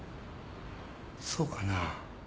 そうかなあ？